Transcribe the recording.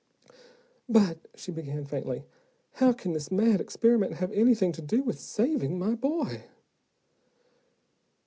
"But," she began faintly, "how can this mad experiment have anything to do with saving my boy?"